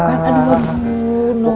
aduh aduh noh